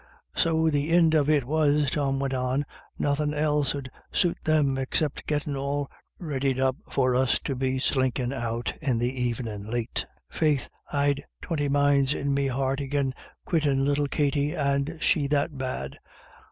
" So the ind of it was," Tom went on, " nothin' else 'ud suit them except gettin' all readied up for us to be slinkin* out in the evenin' late. Faith, I'd twenty minds in me heart agin quittin' little Katty, and she that bad.